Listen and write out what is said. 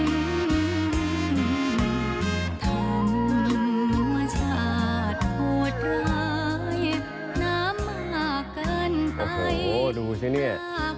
ทำชาติโหดร้ายน้ำมากเกินไปน้าก็ตาย